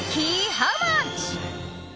ハウマッチ。